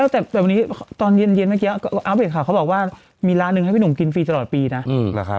แต่วันนี้ตอนเย็นเมื่อกี้อัปเดตข่าวเขาบอกว่ามีร้านหนึ่งให้พี่หนุ่มกินฟรีตลอดปีนะ